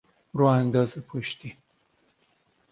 رو انداز پشتی